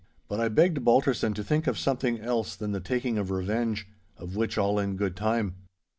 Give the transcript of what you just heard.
But I begged Balterson to think of something else than the taking of revenge—of which all in good time.